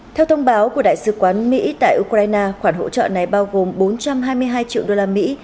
theo thông báo của đại sứ quán mỹ tại ukraine khoản hỗ trợ này bao gồm bốn trăm hai mươi hai triệu đô la mỹ